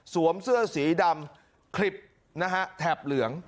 เสื้อสีดำคลิปนะฮะแถบเหลือง